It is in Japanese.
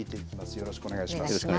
よろしくお願いします。